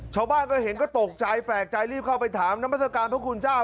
ชาวบ้านก็เห็นก็ตกใจแปลกใจรีบเข้าไปถามน้ำมัศกาลพระคุณเจ้า